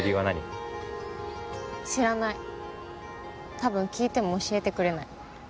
多分聞いても教えてくれない。